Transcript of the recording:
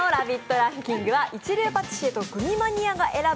ランキングは一流パティシエとグミマニアが選ぶ